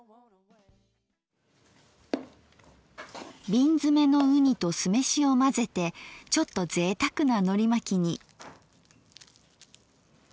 瓶詰めのうにと酢飯を混ぜてちょっとぜいたくなのりまきに。